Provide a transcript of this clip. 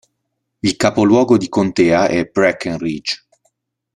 Il capoluogo di contea è Breckenridge